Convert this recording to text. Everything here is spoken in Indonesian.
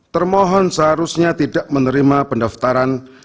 termohon seharusnya tidak menerima pendaftaran